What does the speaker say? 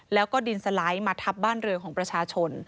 แล้วก็ดินสไลด์มาทับบ้านเรือของประชาชน